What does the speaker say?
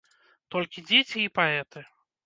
Толькі дзеці і паэты.